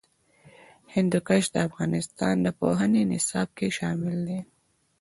هندوکش د افغانستان د پوهنې نصاب کې شامل دي.